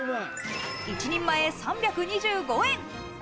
一人前３２５円。